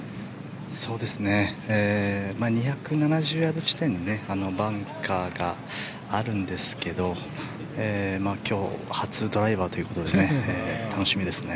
２７０ヤード地点でバンカーがあるんですけど今日初ドライバーということで楽しみです。